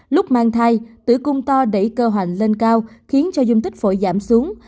lúc mang thai tử cung to đẩy cơ hoành lên cao khiến cho dung tích phổi giảm xuống